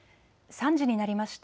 ３時になりました。